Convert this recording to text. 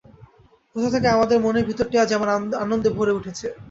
কোথা থেকে আমার মনের ভিতরটি আজ এমন আনন্দে ভরে উঠেছে।